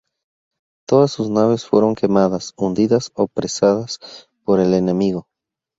Todas sus naves fueron quemadas, hundidas o apresadas por el enemigo.